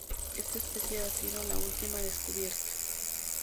Esta especie ha sido la última descubierta.